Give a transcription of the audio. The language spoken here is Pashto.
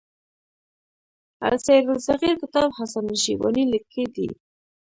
السير الصغير کتاب حسن الشيباني ليکی دی.